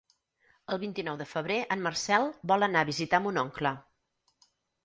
El vint-i-nou de febrer en Marcel vol anar a visitar mon oncle.